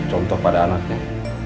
contoh pada anaknya